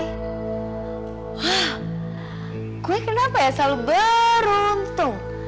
hah gue kenapa ya selalu beruntung